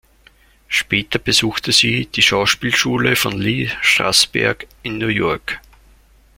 Später besuchte sie die Schauspielschule von Lee Strasberg in New York.